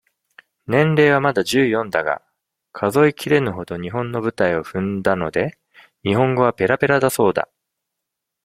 年齢はまだ十四だが、数えきれぬほど、日本の舞台を踏んだので、日本語はぺらぺらだそうだ。